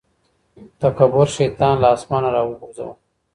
تکبر شيطان له اسمانه راوغورځاوه.